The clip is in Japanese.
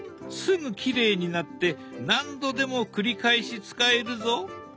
すぐきれいになって何度でも繰り返し使えるぞ。